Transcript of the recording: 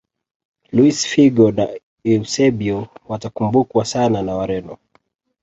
luis figo na eusebio watakumbukwa sana na wareno